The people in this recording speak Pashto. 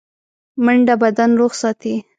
منډه بدن روغ ساتي